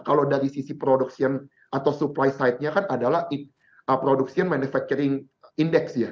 kalau dari sisi production atau supply side nya kan adalah production manufacturing index ya